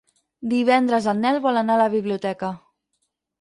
Divendres en Nel vol anar a la biblioteca.